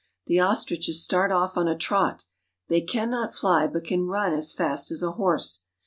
The ostriches start off on a trot. They can ' not fly, but can run as fast as a horse.